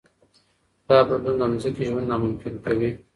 دا بدلون د ځمکې ژوند ناممکن کوي.